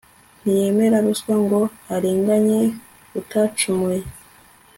ntiyemera ruswa ngo arenganye utacumuye